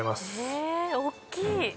え大っきい。